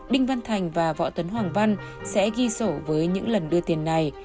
đinh văn thành và võ tấn hoàng văn sẽ ghi sổ với những lần đưa tiền này